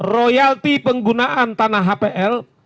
royalti penggunaan tanah hpl